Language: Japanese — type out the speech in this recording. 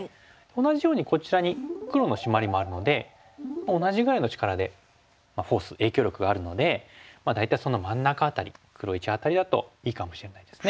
同じようにこちらに黒のシマリもあるので同じぐらいの力でフォース影響力があるので大体その真ん中辺り黒①辺りだといいかもしれないですね。